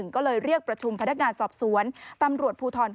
ก็เลยเรียกประชุมพนักงานสอบสวนตำรวจภูทร